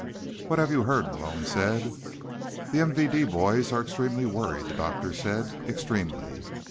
"What have you heard?" Malone said. "The MVD boys are extremely worried," the doctor said. "Extremely."